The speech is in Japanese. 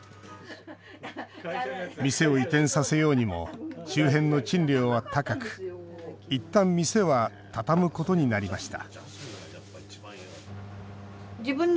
店を移転させようにも周辺の賃料は高くいったん店は畳むことになりました